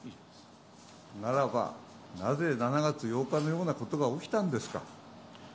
ならば、なぜ７月８日のようなことが起きたんですか。